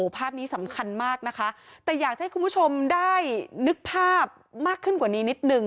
ภาพนี้สำคัญมากนะคะแต่อยากให้คุณผู้ชมได้นึกภาพมากขึ้นกว่านี้นิดนึง